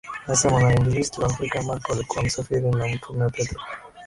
hasa mwinjilisti wa Afrika Marko alikuwa amesafiri na Mtume Petro